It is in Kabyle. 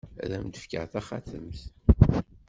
Ad am-d-fkeɣ taxatemt.